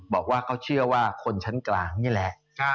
บอกว่าเขาเชื่อว่าคนชั้นกลางนี่แหละ